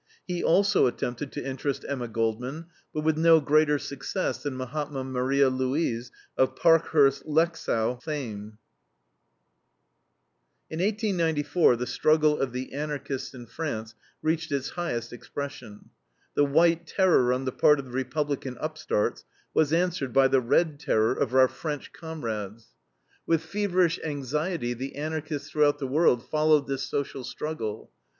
He also attempted to interest Emma Goldman, but with no greater success than Mahatma Maria Louise of Parkhurst Lexow fame. In 1894 the struggle of the Anarchists in France reached its highest expression. The white terror on the part of the Republican upstarts was answered by the red terror of our French comrades. With feverish anxiety the Anarchists throughout the world followed this social struggle.